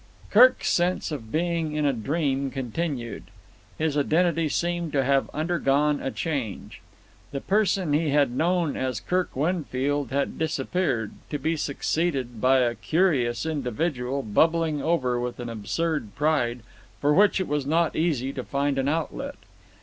Kirk's sense of being in a dream continued. His identity seemed to have undergone a change. The person he had known as Kirk Winfield had disappeared, to be succeeded by a curious individual bubbling over with an absurd pride for which it was not easy to find an outlet.